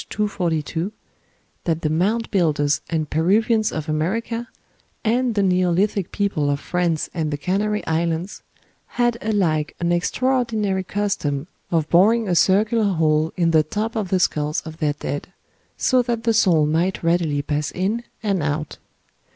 242) that the Mound Builders and Peruvians of America, and the Neolithic people of France and the Canary Islands, had alike an extraordinary custom of boring a circular bole in the top of the skulls of their dead, so that the soul might readily pass in and out.